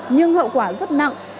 nhưng hậu quả rất nặng